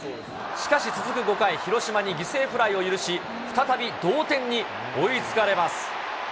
しかし続く５回、広島に犠牲フライを許し、再び同点に追いつかれます。